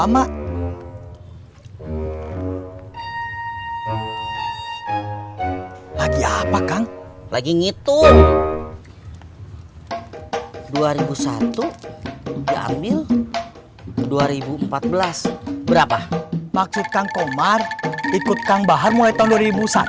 maksud kang komar ikut kang bahar mulai tahun dua ribu satu